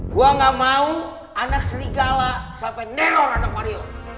gue gak mau anak serigala sampai neror anak warrior